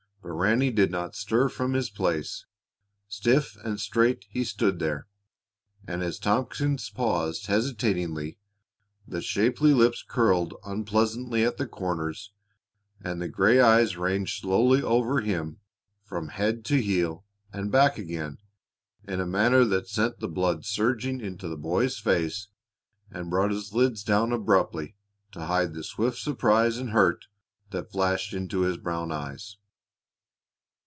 But Ranny did not stir from his place. Stiff and straight he stood there, and as Tompkins paused hesitatingly, the shapely lips curled unpleasantly at the corners, and the gray eyes ranged slowly over him from head to heel and back again in a manner that sent the blood surging into the boy's face and brought his lids down abruptly to hide the swift surprise and hurt that flashed into his brown eyes.